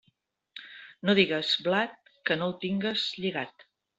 No digues blat que no el tingues lligat.